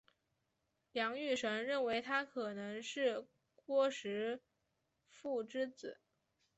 梁玉绳认为他可能是虢石父之子。